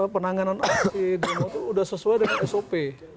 penanganan aksi demo itu sudah sesuai dengan sop